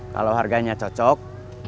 kalau harganya cocok